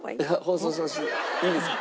放送いいですか？